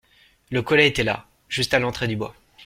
Le collet était là, juste à l’entrée du bois.